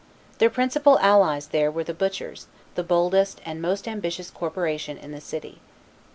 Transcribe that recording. Their principal allies there were the butchers, the boldest and most ambitious corporation in the city.